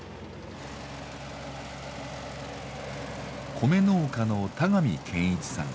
米農家の田上堅一さん。